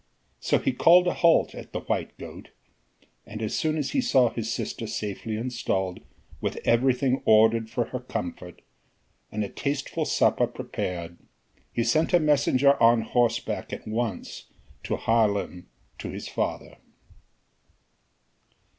So he called a halt at the "White Goat" and as soon as he saw his sister safely installed, with everything ordered for her comfort, and a tasteful supper prepared, he sent a messenger on horseback at once to Haarlem to his father.